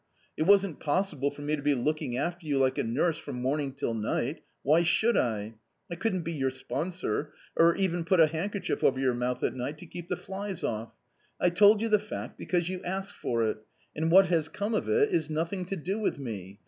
It wasn't possible for me to be looking after you like a nurse from morning till night ; why should 1 ? I couldn't be your sponsor, or even put a handkerchief over your mouth at night to keep the flies off. I told you the fact because you ask for it ; and what has come of it is nothing to do with me.